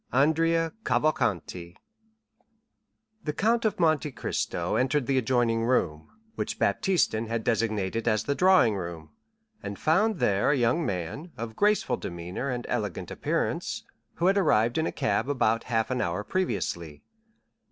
Andrea Cavalcanti The Count of Monte Cristo entered the adjoining room, which Baptistin had designated as the drawing room, and found there a young man, of graceful demeanor and elegant appearance, who had arrived in a cab about half an hour previously.